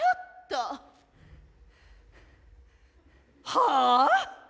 はあ？